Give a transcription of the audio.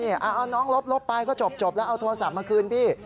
เอาน้องลบไปก็จบแล้วเอาโทรศัพท์มาคืนพี่